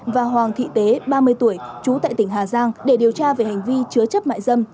và hoàng thị tế ba mươi tuổi trú tại tỉnh hà giang để điều tra về hành vi chứa chấp mại dâm